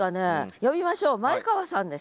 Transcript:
呼びましょう前川さんです。